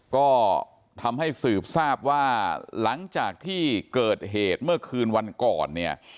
ก็ทำให้สืบทราบว่าหลังจากที่เกิดเหตุเมื่อคืนวันก่อนเนี่ย